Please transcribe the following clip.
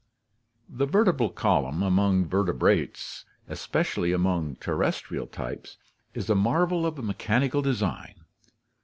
— The vertebral column among vertebrates, especially among terrestrial types, is a marvel of mechanical design.